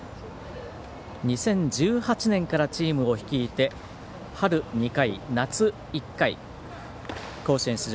２０１８年からチームを率いて春２回、夏１回甲子園出場。